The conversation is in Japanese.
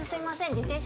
自転車